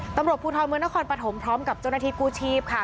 ตำรวจภูทรเมืองนครปฐมพร้อมกับเจ้าหน้าที่กู้ชีพค่ะ